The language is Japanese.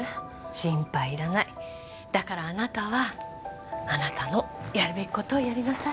心配いらないだからあなたはあなたのやるべきことをやりなさい